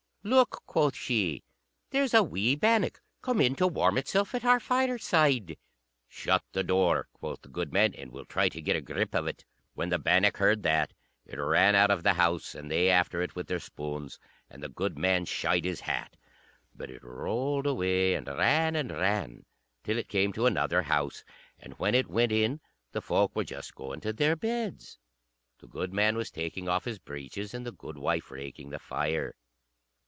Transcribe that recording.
"Look," quoth she, "there's a wee bannock come in to warm itself at our fireside." "Shut the door," quoth the goodman, "and we'll try to get a grip of it." When the bannock heard that, it ran out of the house and they after it with their spoons, and the goodman shied his hat. But it rolled away and ran, and ran, till it came to another house; and when it went in the folk were just going to their beds. The goodman was taking off his breeches, and the goodwife raking the fire.